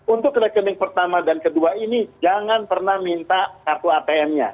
untuk rekening pertama dan kedua ini jangan pernah minta kartu atm nya